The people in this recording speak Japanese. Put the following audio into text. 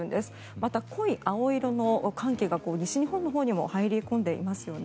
また、濃い青色の寒気が西日本のほうにも入り込んでいますよね。